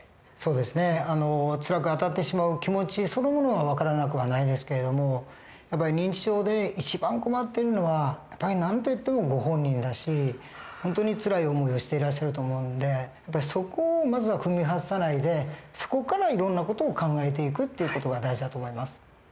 そうですねつらくあたってしまう気持ちそのものは分からなくはないですけど認知症で一番困っているのは何と言ってもご本人だし本当につらい思いをしていらっしゃると思うんでそこをまずは踏み外さないでそこからいろんな事を考えていくっていう事が大事だと思います。